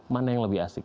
mana yang lebih asik